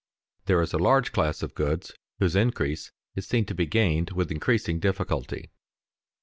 _There is a large class of goods whose increase is seen to be gained with increasing difficulty.